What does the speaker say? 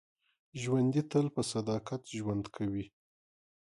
ژوندي تل په صداقت ژوند کوي